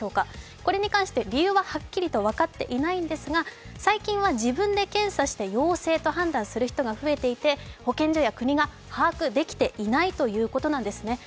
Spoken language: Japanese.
これに関して理由ははっきりと分かっていないんですが、最近は自分で検査して陽性と判断する人が増えていて保健所や国が把握できていないということなんですね。